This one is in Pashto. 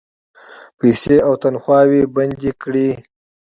پیسې او تنخواوې بندي کړې.